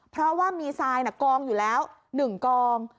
เพราะว่ามีทรายกองอยู่แล้ว๑กอง